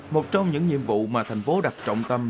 một trong những nhiệm vụ mà tp hcm đặt trọng tâm